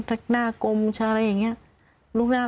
แพดหน้ากลมอะไรยังไง